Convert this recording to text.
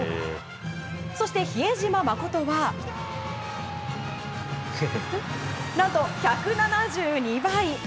そして、比江島慎は何と、１７２倍！